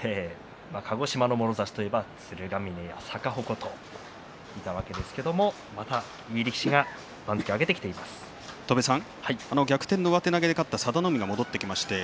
鹿児島のもろ差しといえば鶴ヶ嶺、逆鉾といたわけですけれどもまたいい力士が逆転の上手投げで勝った佐田の海が戻ってきました。